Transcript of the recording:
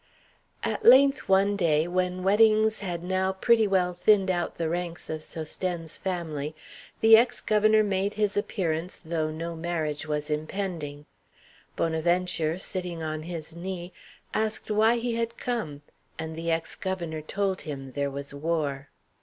At length one day, when weddings had now pretty well thinned out the ranks of Sosthène's family, the ex governor made his appearance though no marriage was impending. Bonaventure, sitting on his knee, asked why he had come, and the ex governor told him there was war.